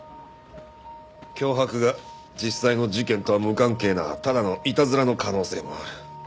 脅迫が実際の事件とは無関係なただのいたずらの可能性もある。